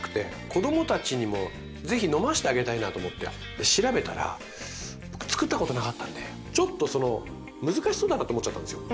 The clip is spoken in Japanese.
子供たちにも是非飲ませてあげたいなと思って調べたら僕つくったことなかったんでちょっとその難しそうだなって思っちゃったんですよ。